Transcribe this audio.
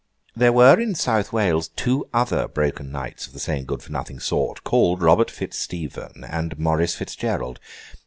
There were, in South Wales, two other broken knights of the same good for nothing sort, called Robert Fitz Stephen, and Maurice Fitz Gerald.